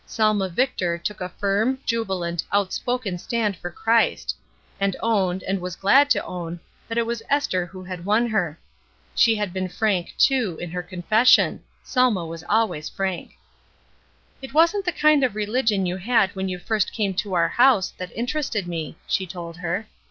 Selma Victor took a firm, jubilant, out spoken stand for Christ; and owned, and was glad to own, that it was Esther who had won her. She had been frank, too, in her confession — Selma was always frank. "It wasn't the kind of religion you had when you fu*st came to our house, that interested me," she told her.